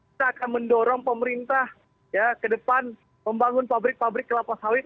kita akan mendorong pemerintah ke depan membangun pabrik pabrik kelapa sawit